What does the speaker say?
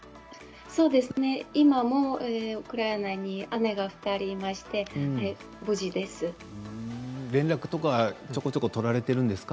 今もウクライナに姉が２人いまして、無事です。